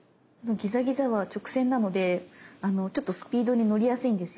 ギザギザは直線なのでちょっとスピードに乗りやすいんですよ。